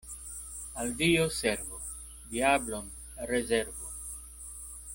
Al Dio servu, diablon rezervu.